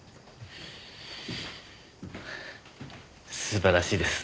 素晴らしいです。